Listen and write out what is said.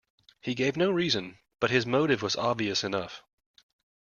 He gave no reason, but his motive was obvious enough.